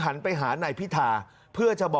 คุณสิริกัญญาบอกว่า๖๔เสียง